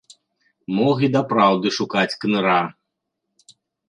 Мог і дапраўды шукаць кныра.